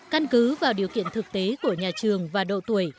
căn cứ vào điều kiện thực tế của nhà trường và độ tuổi